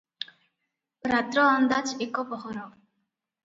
ରାତ୍ର ଅନ୍ଦାଜ ଏକ ପହର ।